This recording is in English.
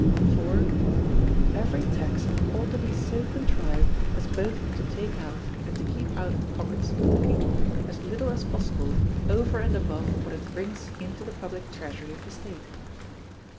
"4. Every tax ought to be so contrived as both to take out and to keep out of the pockets of the people as little as possible over and above what it brings into the public treasury of the state.